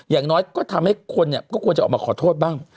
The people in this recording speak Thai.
อย่างน้อยก็ทำให้คนกลัวจะออกมาขอโทษบ้าง